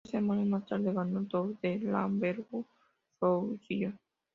Dos semanas más tarde ganó el Tour du Languedoc Roussillon.